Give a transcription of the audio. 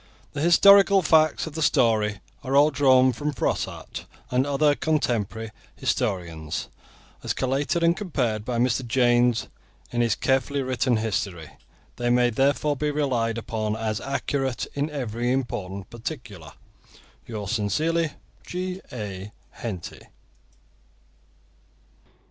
The historical facts of the story are all drawn from Froissart and other contemporary historians, as collated and compared by Mr. James in his carefully written history. They may therefore be relied upon as accurate in every important particular. Yours sincerely, G. A. HENTY.